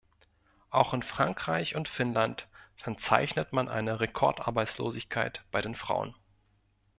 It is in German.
Auch in Frankreich und Finnland verzeichnet man eine Rekordarbeitslosigkeit bei den Frauen.